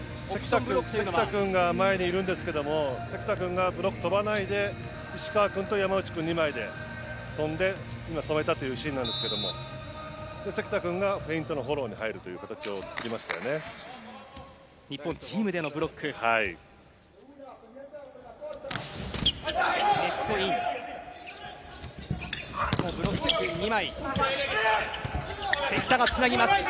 関田君が前にいるんですが関田君がブロックに飛ばないで石川君と山内君２枚で跳んで今止めたというシーンですけど関田君がフェイントのフォローに入るという形を作りましたよね。